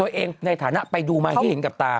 ในฐานะไปดูมาให้เห็นกับตา